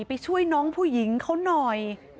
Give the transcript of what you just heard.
ไปช่วยน้องผู้หญิงเขาหน่อย